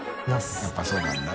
やっぱそうなんだな。